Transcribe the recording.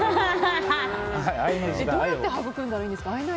どうやって育んだらいいんですか？